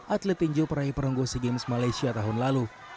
atlet tinju perahi perenggu si games malaysia tahun lalu